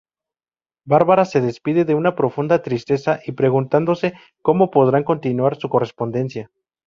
Varvara se despide en una profunda tristeza y preguntándose cómo podrán continuar su correspondencia.